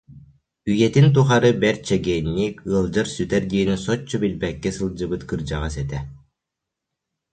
Үйэтин тухары бэрт чэгиэнник, ыалдьар-сүтэр диэни соччо билбэккэ сылдьыбыт кырдьаҕас этэ